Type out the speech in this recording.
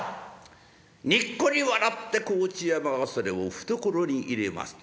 にっこり笑って河内山はそれを懐に入れます。